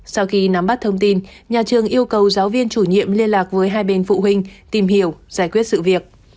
sau khi nắm bắt thông tin nhà trường yêu cầu giáo viên chủ nhiệm liên lạc với hai bên phụ huynh tìm hiểu giải quyết sự việc